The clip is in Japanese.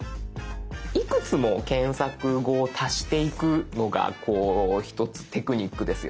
いくつも検索語を足していくのがこう一つテクニックですよね。